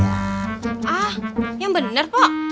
ah yang bener pok